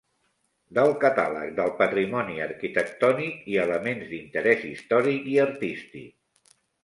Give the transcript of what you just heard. Del catàleg del Patrimoni Arquitectònic i Elements d'Interès Històric i Artístic.